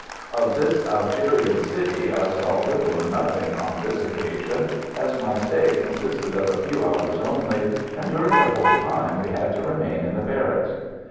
Of this Algerian city I saw little or nothing on this occasion, as my stay consisted of a few hours only, and during the whole time we had to remain in the barracks.